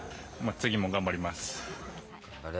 次も頑張ります。